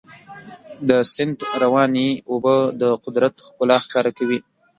د سیند روانې اوبه د قدرت ښکلا ښکاره کوي.